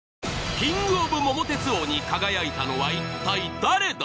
キングオブ桃鉄王に輝いたのはいったい誰だ？